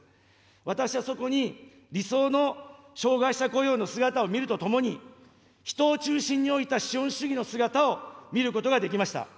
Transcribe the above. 私はそこに、理想の障害者雇用の姿を見るとともに、人を中心に置いた資本主義の姿を見ることができました。